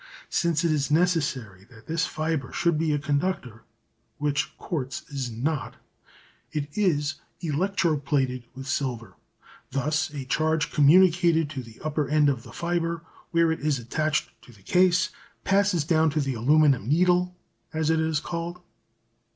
Since it is necessary that this fibre should be a conductor, which quartz is not, it is electro plated with silver. Thus a charge communicated to the upper end of the fibre, where it is attached to the case, passes down to the aluminium "needle," as it is called.